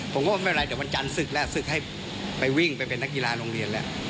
ผมก็ไม่เป็นไรเดี๋ยววันจันทร์ศึกแล้วศึกให้ไปวิ่งไปเป็นนักกีฬาโรงเรียนแล้ว